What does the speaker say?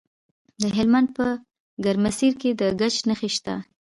د هلمند په ګرمسیر کې د ګچ نښې شته.